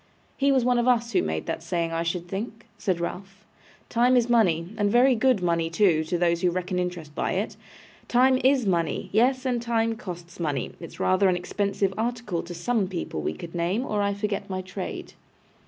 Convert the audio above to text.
'He was one of us who made that saying, I should think,' said Ralph. 'Time is money, and very good money too, to those who reckon interest by it. Time IS money! Yes, and time costs money; it's rather an expensive article to some people we could name, or I forget my trade.